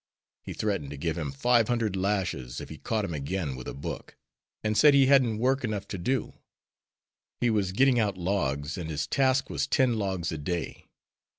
He threatened to give him five hundred lashes if he caught him again with a book, and said he hadn't work enough to do. He was getting out logs, and his task was ten logs a day.